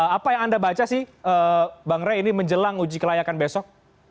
apa yang anda baca sih bang rey ini menjelang uji kelayakan besok